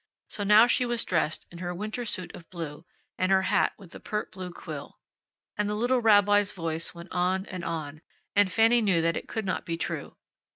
So now she was dressed in her winter suit of blue, and her hat with the pert blue quill. And the little rabbi's voice went on and on, and Fanny knew that it could not be true.